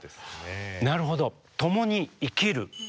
なるほど。